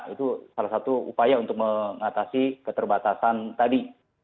itu salah satu upaya untuk mengatasi keterbatasan tadi